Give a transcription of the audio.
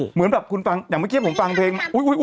เหมือนแบบคุณฟังอย่างเมื่อกี้ผมฟังเพลง